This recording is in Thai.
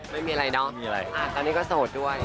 ไม่มีอะไรเนอะตอนนี้ก็โสดด้วย